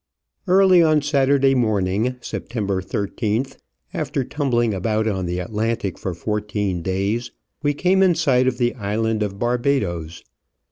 Early on Saturday morning, September 13th, after tumbling about on the Atlantic for fourteen days, we came in siorht of the island of Barbadoes.